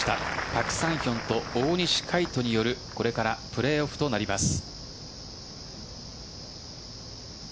パク・サンヒョンと大西魁斗によるこれからプレーオフとなります。